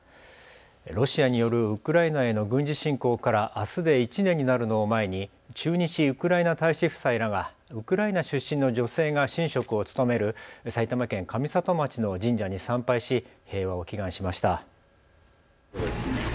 ロシアによるウクライナへの軍事侵攻からあすで１年になるのを前に駐日ウクライナ大使夫妻らはウクライナ出身の女性が神職を務める埼玉県上里町の神社に参拝し平和を祈願しました。